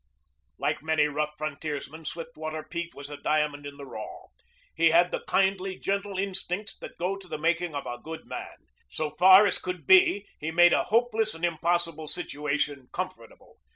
Like many rough frontiersmen, Swiftwater Pete was a diamond in the raw. He had the kindly, gentle instincts that go to the making of a good man. So far as could be he made a hopeless and impossible situation comfortable.